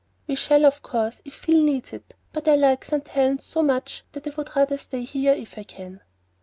"We shall, of course, if Phil needs it; but I like St. Helen's so much that I would rather stay here if we can."